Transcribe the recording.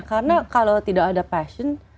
karena kalau tidak ada passion